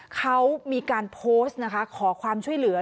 เขามีการโพสต์นะคะขอความช่วยเหลือ